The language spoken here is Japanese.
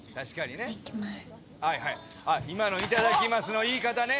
あ今の「いただきます」の言い方ね。